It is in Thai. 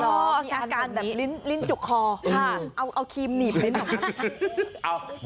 มีอาการแบบลิ้นจุกคอเอาครีมหนีบนิดหน่อย